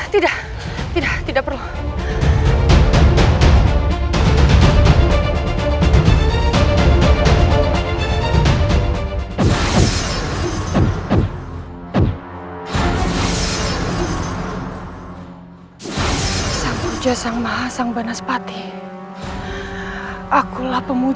tidak tidak perlu